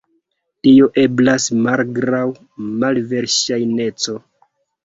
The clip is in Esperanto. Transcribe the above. Tio eblas malgraŭ malverŝajneco.